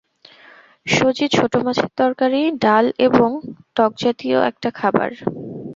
সজি, ছোটো মাছের তরকারি, ডাল এবং টকজাতীয় একটা খাবার।